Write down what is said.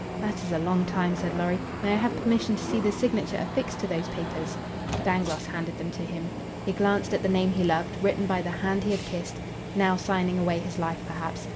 That is a long time," said Lorry. "May I have permission to see the signature affixed to those papers?" Dangloss handed them to him. He glanced at the name he loved, written by the hand he had kissed, now signing away his life, perhaps.